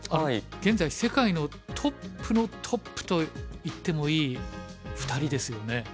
現在世界のトップのトップと言ってもいい２人ですよね。